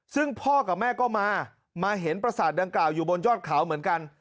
ซึ่งพ่อกับแม่ก็มามาเห็นประสาทดังกล่าวอยู่บนยอดเขาเหมือนกัน